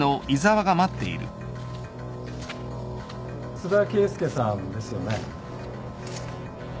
津田圭祐さんですよね？